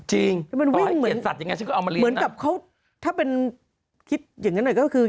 เหมือนกับเขาถ้าเป็นคิดอย่างนั้นหน่อยก็คือ